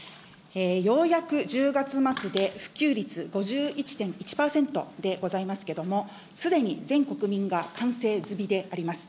ようやく１０月末で普及率５１．１％でございますけども、すでに全国民がかんせい済みであります。